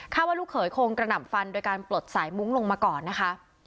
ว่าลูกเขยคงกระหน่ำฟันโดยการปลดสายมุ้งลงมาก่อนนะคะ